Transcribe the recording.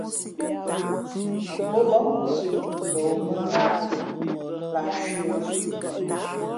Pō bα̌ nkōsī o mbα wo mᾱŋáh lah cwī yo nāt.